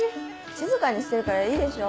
静かにしてるからいいでしょ。